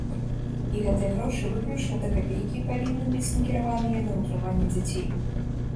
І гэтыя грошы выключна да капейкі павінны быць накіраваныя на ўтрыманне дзяцей.